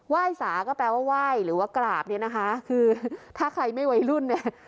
ยสาก็แปลว่าไหว้หรือว่ากราบเนี่ยนะคะคือถ้าใครไม่วัยรุ่นเนี่ย